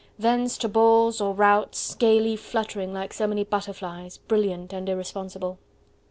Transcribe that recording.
Thence to balls or routs, gaily fluttering like so many butterflies, brilliant and irresponsible....